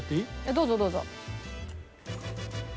どうぞどうぞ。